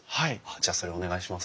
じゃあそれお願いします。